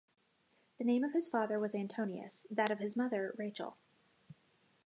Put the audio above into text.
The name of his father was Antonius, that of his mother Rachel.